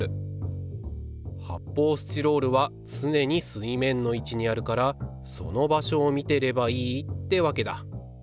発泡スチロールは常に水面の位置にあるからその場所を見てればいいってわけだ。